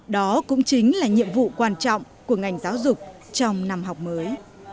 đó cũng chính là nhiệm vụ quan trọng của ngành giáo dục trong năm học mới